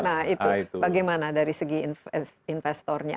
nah itu bagaimana dari segi investornya